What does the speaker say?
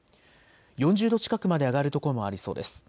４０度近くまで上がる所もありそうです。